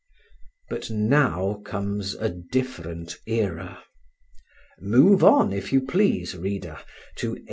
But now comes a different era. Move on, if you please, reader, to 1813.